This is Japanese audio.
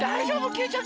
きいちゃん